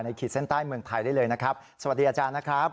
ขีดเส้นใต้เมืองไทยได้เลยนะครับสวัสดีอาจารย์นะครับ